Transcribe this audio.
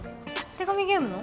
手紙ゲームの？